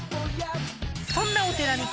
［そんなお寺に］